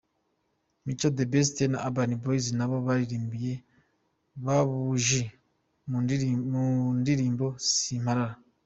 Mico The Best na Urban Boyz na bo baririmbye Babuji mu ndirimbo ‘Simparara’.